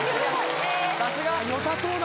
さすが！